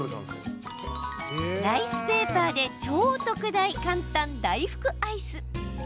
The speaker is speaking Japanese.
ライスペーパーで超特大、簡単大福アイス。